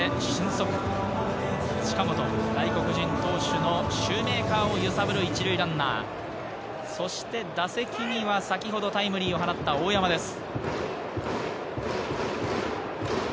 そして俊足・近本、外国人投手のシューメーカーを揺さぶる１塁ランナー、そして打席には先ほどタイムリーを放った大山です。